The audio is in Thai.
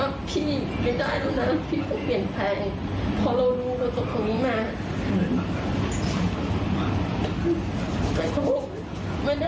เขารับงานมากกว่า